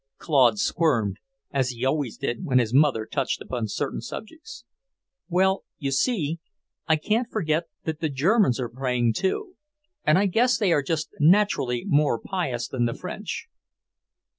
Claude squirmed, as he always did when his mother touched upon certain subjects. "Well, you see, I can't forget that the Germans are praying, too. And I guess they are just naturally more pious than the French."